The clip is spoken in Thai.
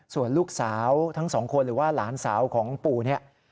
ส่วนลูกสาวทั้งสองคนหรือว่าหลานสาวของปู่เนี่ย